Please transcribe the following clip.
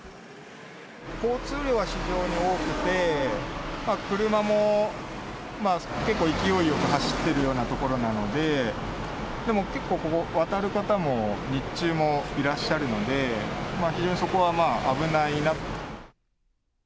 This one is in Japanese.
交通量は非常に多くて、車も結構勢いよく走ってるような所なので、でも結構ここ、渡る方も日中もいらっしゃるので、非常にそこはまあ、危ないなと。